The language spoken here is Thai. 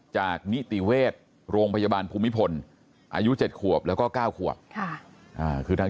นิติเวชโรงพยาบาลภูมิพลอายุ๗ขวบแล้วก็๙ขวบคือทาง